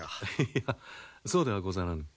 いやそうではござらぬ。